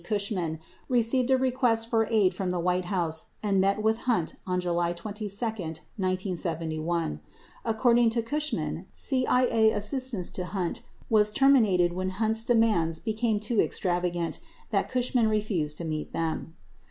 Cushman received a request for aid from the White House and met with Hunt on July 22, 1971. According to Cushman, CIA assistance to Hunt was terminated when Hunt's demands become so extravagant that Cushman refused to meet them.